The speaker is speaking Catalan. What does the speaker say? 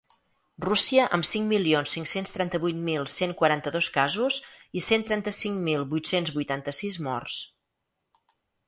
Rússia, amb cinc milions cinc-cents trenta-vuit mil cent quaranta-dos casos i cent trenta-cinc mil vuit-cents vuitanta-sis morts.